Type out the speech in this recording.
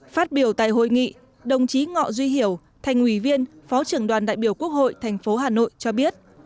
phát biểu tại hội nghị đồng chí ngọ duy hiểu thành ủy viên phó trưởng đoàn đại biểu quốc hội thành phố hà nội cho biết